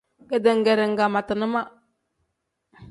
Ketengere nkangmatina ma.